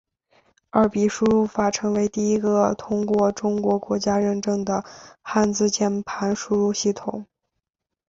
二笔输入法成为第一个通过中国国家认证的汉字键盘输入系统。